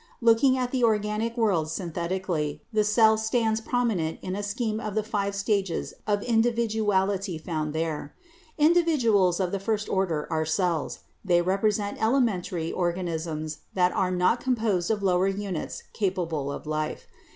Looking at the organic world synthetically, the cell stands prominent in a scheme of the five stages of indi viduality found there. Individuals of the first order are cells. They represent elementary organisms that are not composed of lower units capable of life.